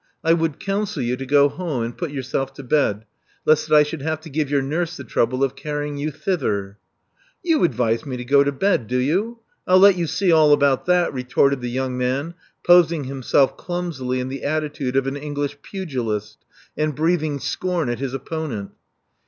I would counsel you to go home and put yourself to bed, lest I should have to give your nurse the trouble of carrying you thither. You advise me to go to bed, do you? 1*11 let you see all about that, retorted the young man, posing himself clumsily in the attitude of an English pugilist, and breathing scorn at his opponent.